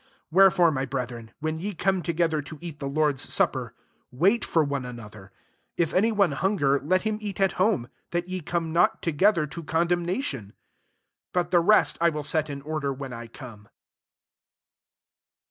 33 Wherefore, my brethrci, when ye come together to cit the Lor<p9 au/i/ier, wait for one another. 34 If any one hunger, let him eat at home ; that fe come not together to condem nation. But the rest I will set in order when I come.